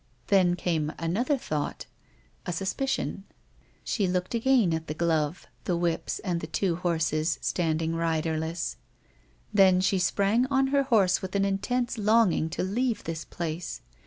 Then came another thought — a suspicion. She looked again at the glove, the whips and the two horses standing riderless ; then she sprang on her horse with an intense longing to leave this place.